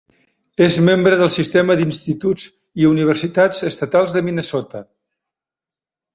És membre del sistema d'Instituts i Universitats Estatals de Minnesota.